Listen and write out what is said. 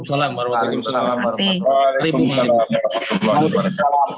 waalaikumsalam warahmatullahi wabarakatuh